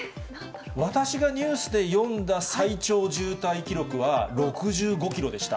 私がニュースで読んだ最長渋滞記録は６５キロでした。